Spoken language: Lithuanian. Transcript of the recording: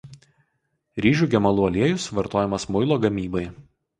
Ryžių gemalų aliejus vartojamas muilo gamybai.